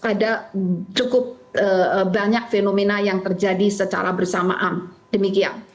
ada cukup banyak fenomena yang terjadi secara bersamaan demikian